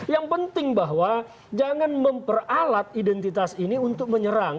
yang penting bahwa jangan memperalat identitas ini untuk menyerang